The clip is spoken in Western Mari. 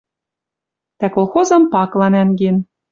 Дӓ колхозым пакыла нӓнген.